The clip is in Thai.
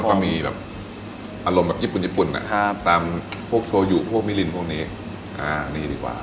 แล้วก็มีอารมณ์แบบญี่ปุ่นตามพวกโชยุพวกมิลลินตรงนี้